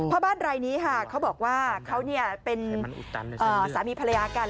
บ้านรายนี้ค่ะเขาบอกว่าเขาเป็นสามีภรรยากัน